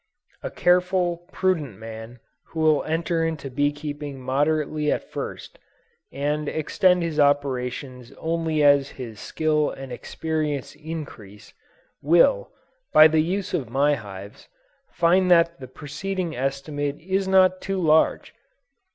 A careful, prudent man who will enter into bee keeping moderately at first, and extend his operations only as his skill and experience increase, will, by the use of my hives, find that the preceding estimate is not too large.